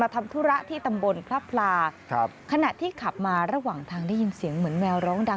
เจ้าก็ได้ยินเสียงนะ